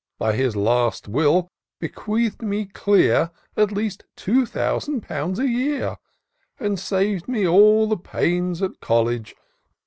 By his last will bequeath'd me clear At least two thousand pounds a year. And sav'd me all the pains at college.